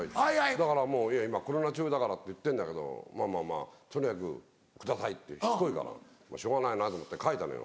だからもう「今コロナ中だから」って言ってんだけど「まぁまぁとにかくください」ってしつこいからしょうがないなと思って書いたのよ。